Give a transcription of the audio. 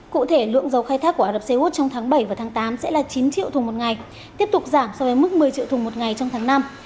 cụ thể lượng dầu khai thác của ả rập xê út trong tháng bảy và tháng tám sẽ là chín triệu thùng một ngày tiếp tục giảm so với mức một mươi triệu thùng một ngày trong tháng năm